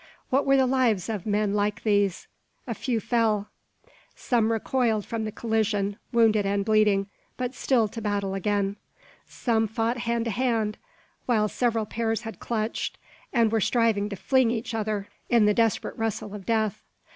What were the lives of men like these? A few fell. Some recoiled from the collision, wounded and bleeding, but still to battle again. Some fought hand to hand; while several pairs had clutched, and were striving to fling each other in the desperate wrestle of death!